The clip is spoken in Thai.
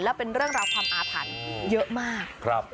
และเป็นเรื่องราวความอาถรรพ์เยอะมาก